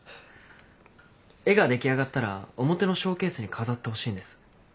絵が出来上がったら表のショーケースに飾ってほしいんです。